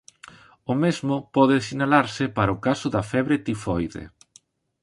O mesmo pode sinalarse para o caso da febre tifoide.